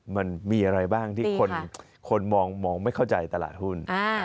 มันมีอะไรบ้างที่คนมองไม่เข้าใจตลาดหุ้น